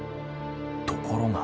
ところが。